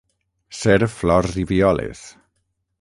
Ser flors i violes.